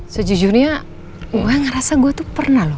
sejujurnya gue ngerasa gue tuh pernah loh